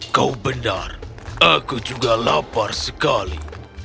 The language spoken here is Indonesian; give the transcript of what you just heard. kau benar aku juga lapar sekali